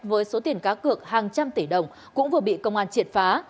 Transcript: với số tiền cá cược hàng trăm tỷ đồng cũng vừa bị công an triệt phá